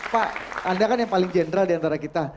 pak anda kan yang paling general diantara kita